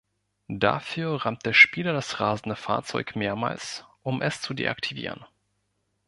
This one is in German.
Dafür rammt der Spieler das rasende Fahrzeug mehrmals, um es zu deaktivieren.